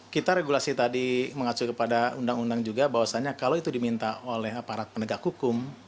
kita regulasi tadi mengacu kepada undang undang juga bahwasannya kalau itu diminta oleh aparat penegak hukum